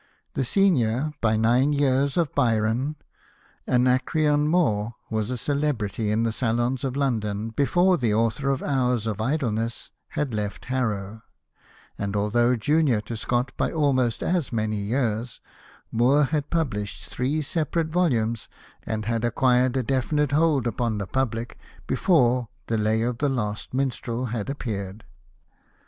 The senior by nine years of Byron, " Anacreon " Moore was a celebrity in the salons of London before the author of Hours of Idleness had left Harrow ; and although junior to Scott by almost as many years, INIoore had published three separate volumes and had acquired a definite hold upon the public before the Lay of file Last Minstrel had appeared.